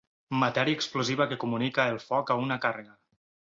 Matèria explosiva que comunica el foc a una càrrega.